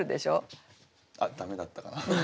あっ駄目だったかな。